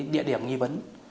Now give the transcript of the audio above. địa điểm nghi vấn